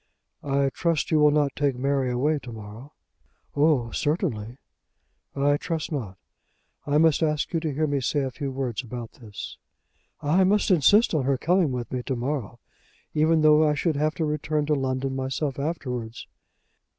"I trust you will not take Mary away to morrow." "Oh; certainly." "I trust not. I must ask you to hear me say a few words about this." "I must insist on her coming with me to morrow, even though I should have to return to London myself afterwards."